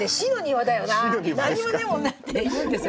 何にもねえもんな」って言うんですよ。